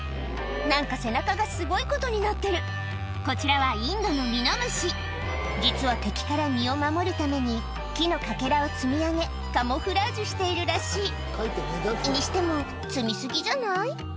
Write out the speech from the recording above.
何か背中がすごいことになってるこちらはインドの実は敵から身を守るために木のかけらを積み上げカムフラージュしているらしいにしても積み過ぎじゃない？